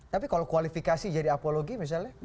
tapi kalau kualifikasi jadi apologi misalnya